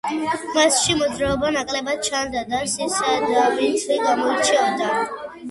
მასში მოძრაობა ნაკლებად ჩანდა და სისადავით გამოირჩეოდა.